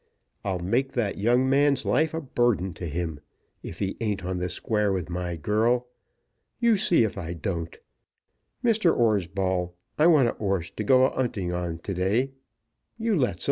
I'll make that young man's life a burden to him, if 'e ain't on the square with my girl. You see if I don't. Mr. 'Orsball, I want a 'orse to go a 'unting on to day. You lets 'em.